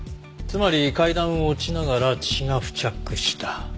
つまり階段を落ちながら血が付着した。